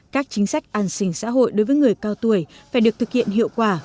các chính sách an sinh xã hội đối với người cao tuổi phải được thực hiện hiệu quả